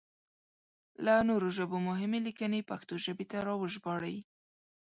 له نورو ژبو مهمې ليکنې پښتو ژبې ته راوژباړئ!